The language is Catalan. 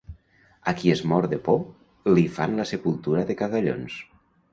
A qui es mor de por li fan la sepultura de cagallons.